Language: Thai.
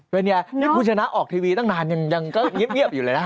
เป็นไงนี่คุณชนะออกทีวีตั้งนานยังก็เงียบอยู่เลยนะ